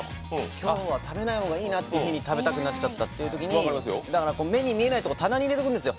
きょうは食べないほうがいいなという日に食べたくなっちゃったときに目に見えないところ棚に入れておくんですよ。